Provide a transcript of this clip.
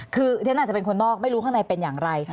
คือที่ฉันอาจจะเป็นคนนอกไม่รู้ข้างในเป็นอย่างไร